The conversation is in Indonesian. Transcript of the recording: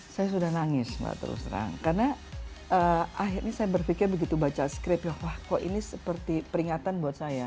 saya sudah nangis mbak terus terang karena akhirnya saya berpikir begitu baca script ya wah kok ini seperti peringatan buat saya